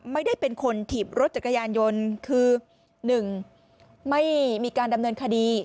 ไม่ได้เป็นคนถีบรถจักรยานยนต์คือ๑ไม่มีการดำเนินคดี